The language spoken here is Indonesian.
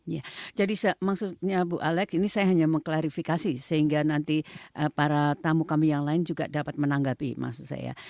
ya jadi maksudnya bu alex ini saya hanya mengklarifikasi sehingga nanti para tamu kami yang lain juga dapat menanggapi maksud saya